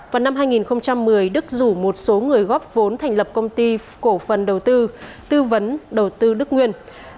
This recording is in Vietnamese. vào năm hai nghìn một mươi đức rủ một số người góp vốn thành lập công ty cổ phần đầu tư tư vấn đầu tư đức nguyên